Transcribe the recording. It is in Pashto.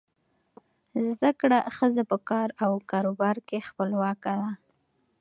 زده کړه ښځه په کار او کاروبار کې خپلواکه ده.